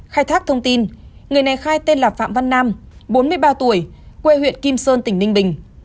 khai thác thông tin người này khai tên là phạm văn nam bốn mươi ba tuổi quê huyện kim sơn tỉnh ninh bình